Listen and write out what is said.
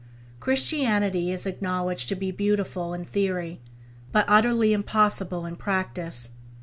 Christianity is acknowledged to be beautiful in theory, but utterly impossible in practice.